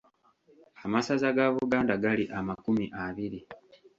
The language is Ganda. Amasaza ga Buganda gali amakumi abiri.